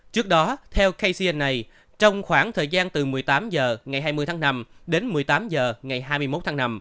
trước đó theo kcna trong khoảng thời gian từ một mươi tám giờ ngày hai mươi tháng năm đến một mươi tám giờ ngày hai mươi một tháng năm